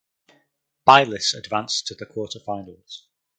Bylis advanced to the quarter finals.